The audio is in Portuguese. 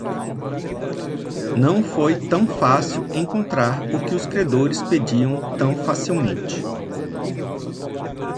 Não foi tão fácil encontrar o que os credores pediam tão facilmente.